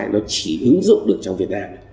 nó chỉ hứng dụng được trong việt nam